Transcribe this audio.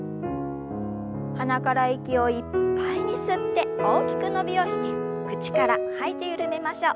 鼻から息をいっぱいに吸って大きく伸びをして口から吐いて緩めましょう。